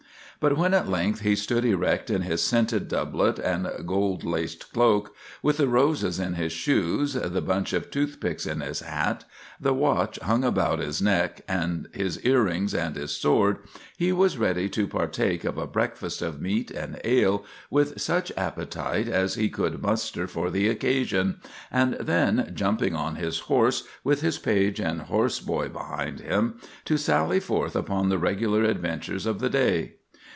But when at length he stood erect in his scented doublet and gold laced cloak, with the roses in his shoes, the bunch of toothpicks in his hat, the watch hung about his neck, his earrings, and his sword, he was ready to partake of a breakfast of meat and ale with such appetite as he could muster for the occasion, and then, jumping on his horse, with his page and horse boy behind him, to sally forth upon the regular adventures of the day.